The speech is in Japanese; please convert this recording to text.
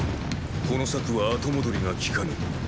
この策は後戻りがきかぬ。